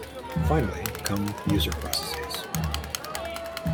Finally come user processes.